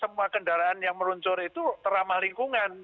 kemudian kendaraan yang meluncur itu teramah lingkungan